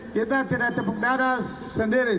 kita tidak tepuk darah sendiri